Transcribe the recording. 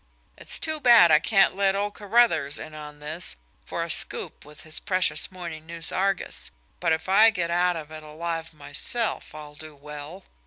"It's too bad I can't let old Carruthers in on this for a scoop with his precious MORNING NEWS ARGUS but if I get out of it alive myself, I'll do well!